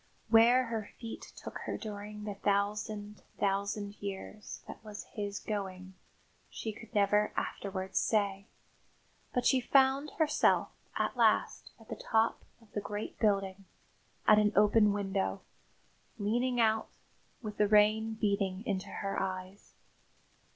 II Where her feet took her during the thousand, thousand years that was his going she could never afterwards say; but she found herself at last at the top of the great building, at an open window, leaning out, with the rain beating into her eyes.